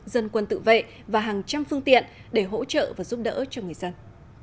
dân quân tự vệ và hàng trăm phương tiện để hỗ trợ và giúp đỡ cho người dân